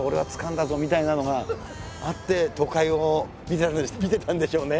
みたいなのがあって都会を見てたんでしょうね。